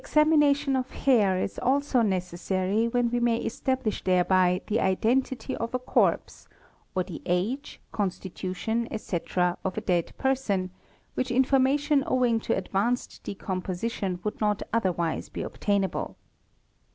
Examination of hair is also necessary when we may establish thereby — the identity of a corpse or the age, constitution, etc., of a dead person, — which information owing to advanced decomposition would not otherwise | be obtainable.